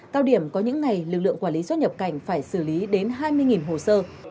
cao điểm có những ngày lực lượng quản lý xuất nhập cảnh phải xử lý đến hai mươi hồ sơ